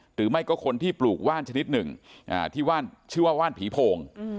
หรือไม่ก็คนที่ปลูกว่านชนิดหนึ่งที่ชื่อว่าว่านผีโพง